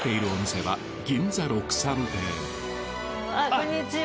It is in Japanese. こんにちは。